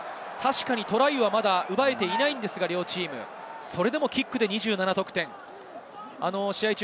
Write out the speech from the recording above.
トライは奪えていないのですが、両チーム、それでもキックで２７得点。